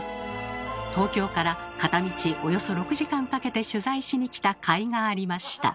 東京から片道およそ６時間かけて取材しに来たかいがありました。